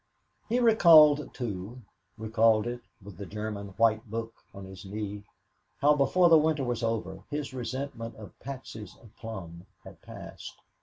He recalled, too recalled it with the German White Book on his knee how, before the winter was over, his resentment at Patsy's aplomb had passed.